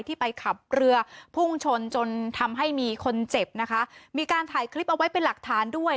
ไปขับเรือพุ่งชนจนทำให้มีคนเจ็บนะคะมีการถ่ายคลิปเอาไว้เป็นหลักฐานด้วย